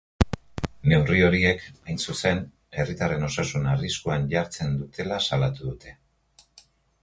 Neurri horiek, hain zuzen, herritarren osasuna arriskuan jartzen dutela salatu dute.